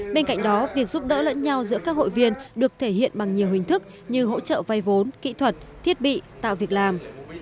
bên cạnh đó việc giúp đỡ lẫn nhau giữa các hội viên được thể hiện bằng nhiều hình thức như hỗ trợ vay vốn kỹ thuật thiết bị tạo việc làm